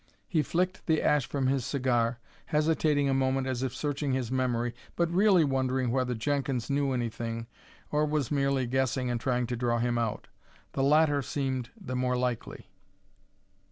He flicked the ash from his cigar, hesitating a moment as if searching his memory, but really wondering whether Jenkins knew anything or was merely guessing and trying to draw him out. The latter seemed much the more likely.